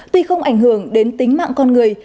tuy không ảnh hưởng đến tính mạng con người